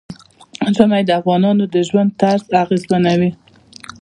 ژمی د افغانانو د ژوند طرز اغېزمنوي.